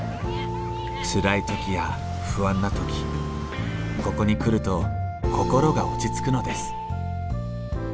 つらい時や不安な時ここに来ると心が落ち着くのです。